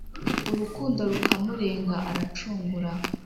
urukundo Rukamurenga arancungura